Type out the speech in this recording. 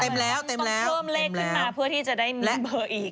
เต็มแล้วต้องเพิ่มเลขขึ้นมาเพื่อที่จะได้มีเบอร์อีก